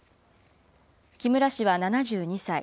木村氏は７２歳。